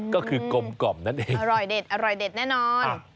ก็คือกลมนั่นเองอร่อยเด็ดแน่นอนอืม